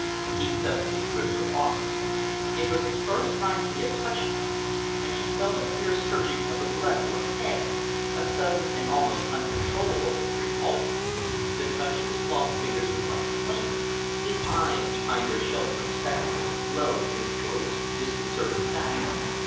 He suddenly gripped her arm. It was the first time he had touched her, and she felt a queer surging of the blood to her head, a sudden and almost uncontrollable repulsion. The touch of his long fingers was like flame; his eyes, behind their sheltering spectacles, glowed in a curious, disconcerting fashion.